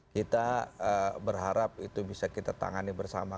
kita berharap itu bisa kita tangani bersama